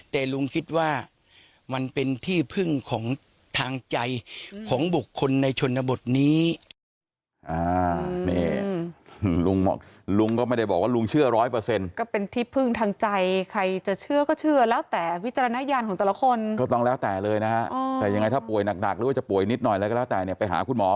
แต่ลุงคิดว่ามันเป็นที่พึ่งของทางใจของบุคคลในชนบทนี้